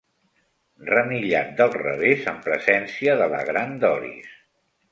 Renillat del revés en presència de la gran Doris.